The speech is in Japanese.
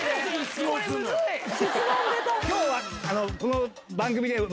今日この番組で。